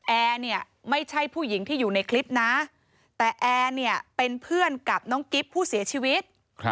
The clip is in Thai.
แอร์เนี่ยไม่ใช่ผู้หญิงที่อยู่ในคลิปนะแต่แอร์เนี่ยเป็นเพื่อนกับน้องกิ๊บผู้เสียชีวิต